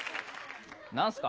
何すか？